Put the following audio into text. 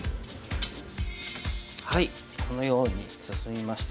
このように進みまして